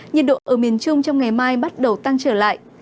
nhiệt độ ở miền trung trong ngày mai bắt đầu tăng trở lại